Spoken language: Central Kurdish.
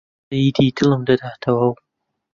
سەیدی دڵم دەداتەوە و